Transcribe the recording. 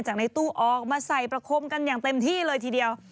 ในตู้ออกมาใส่ประคมกันอย่างเต็มที่เลยทีเดียว